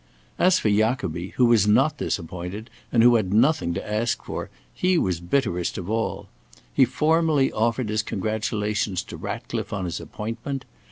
As for Jacobi, who was not disappointed, and who had nothing to ask for, he was bitterest of all. He formally offered his congratulations to Ratcliffe on his appointment.